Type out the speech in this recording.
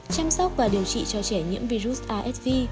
chăm sóc và điều trị cho trẻ nhiễm virus sv